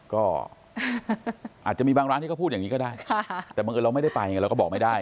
ก็อาจจะมีบางร้านที่บอกอย่างนี้ก็ได้